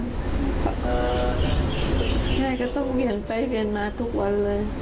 แม่ก็ต้องเวียนไปเวียนมาทุกวันเลย